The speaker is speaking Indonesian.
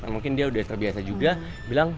mungkin dia udah terbiasa juga bilang